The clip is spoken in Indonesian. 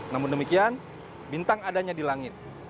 namun demikian bintang adanya di langit